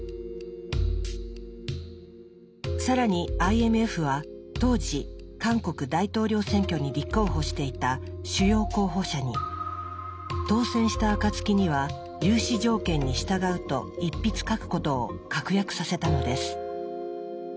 更にＩＭＦは当時韓国大統領選挙に立候補していた主要候補者に「当選したあかつきには融資条件に従うと一筆書く」ことを確約させたのです。